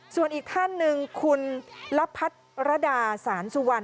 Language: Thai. ส่วนอีกท่านหนึ่งคุณละพัดระดาสารสุวรรณ